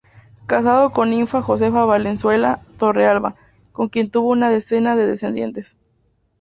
Casado con Ninfa Josefa Valenzuela Torrealba, con quien tuvo una decena de descendientes.